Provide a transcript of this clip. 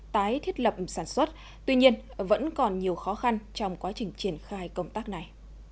tái thiết lập sản xuất tuy nhiên vẫn còn nhiều khó khăn trong quá trình triển khai công tác này